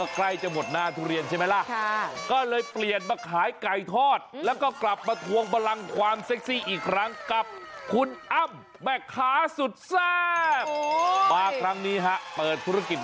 ขายกล่ายทอดแล้วแบแก้อร์